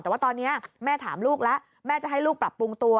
แต่ว่าตอนนี้แม่ถามลูกแล้วแม่จะให้ลูกปรับปรุงตัว